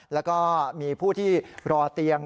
แล้วก็มีผู้ที่รอเตียง